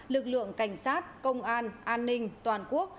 lực lượng cảnh sát công an an ninh toàn quốc